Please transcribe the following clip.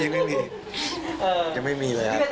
ยังไม่มีเลยยังไม่มี